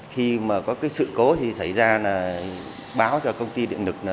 khi mà có cái sự cố thì xảy ra là báo cho công ty điện lực